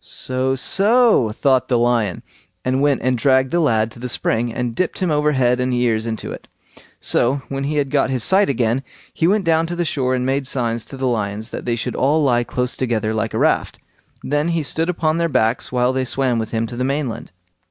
"So, so!" thought the lion, and went and dragged the lad to the spring, and dipped him over head and ears in it. So, when he had got his sight again, he went down to the shore and made signs to the lions that they should all lie close together like a raft; then he stood upon their backs while they swam with him to the mainland.